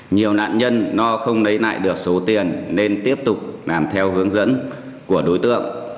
nhiều nạn nhân no không lấy lại được số tiền nên tiếp tục làm theo hướng dẫn của đối tượng